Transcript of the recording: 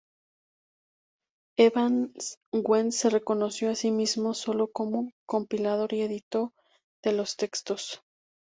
Evans-Wentz se reconoció a sí mismo solo como compilador y editor de los textos.